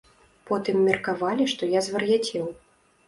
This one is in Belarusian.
Потым меркавалі, што я звар'яцеў.